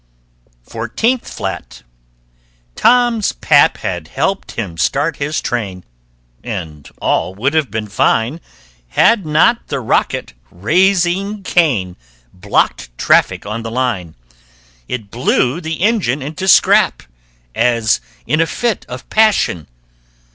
[Illustration: THIRTEENTH FLAT] FOURTEENTH FLAT Tom's pap had helped him start his train, And all would have been fine Had not the rocket, raising Cain, Blocked traffic on the line. It blew the engine into scrap, As in a fit of passion.